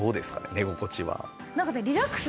寝心地は。